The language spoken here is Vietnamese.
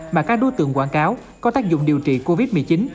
mà các đối tượng quảng cáo có tác dụng điều trị covid một mươi chín